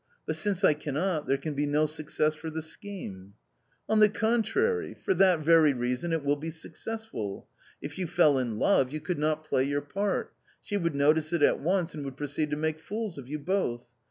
... but since I cannot there can be no success for the scheme." " On the contrary, for that very reason it will be success ful. If you fell in love, you could not play your part ; she would notice it at once and would proceed to make fools of you both.